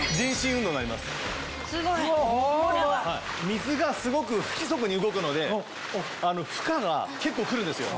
水がすごく不規則に動くので負荷が結構来るんですよ